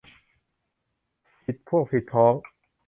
ผิดพวกผิดพ้อง